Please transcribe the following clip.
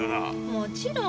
もちろん。